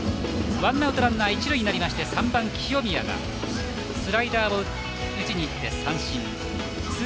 ワンアウトランナー、一塁になって３番の清宮スライダーを打ちにいって三振です。